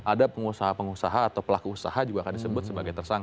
ada pengusaha pengusaha atau pelaku usaha juga akan disebut sebagai tersangka